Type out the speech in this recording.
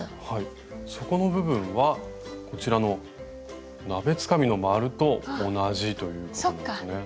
底の部分はこちらの鍋つかみの円と同じということですね。